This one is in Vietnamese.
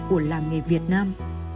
của làng nghề việt nam